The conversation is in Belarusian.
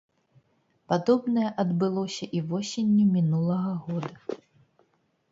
Падобнае адбылося і восенню мінулага года.